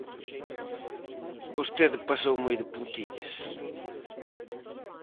Vostede pasou moi de puntillas.